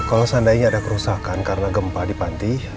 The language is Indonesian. kalau seandainya ada kerusakan karena gempa di panti